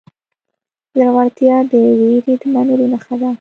زړورتیا د وېرې د منلو نښه ده.